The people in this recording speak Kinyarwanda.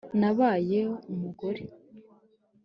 Nabaye umugore